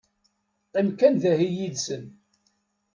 Qqim kan dahi yid-sen.